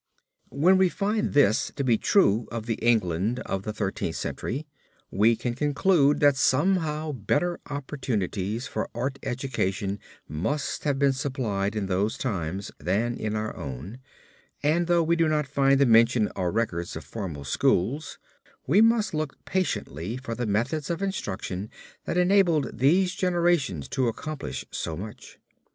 When we find this to be true of the England of the Thirteenth Century we can conclude that somehow better opportunities for art education must have been supplied in those times than in our own, and though we do not find the mention or records of formal schools, we must look patiently for the methods of instruction that enabled these generations to accomplish so much.